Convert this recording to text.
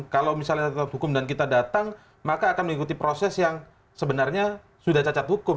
kalau misalnya tetap hukum dan kita datang maka akan mengikuti proses yang sebenarnya sudah cacat hukum